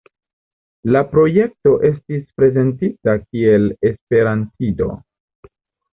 La projekto estis prezentita kiel esperantido.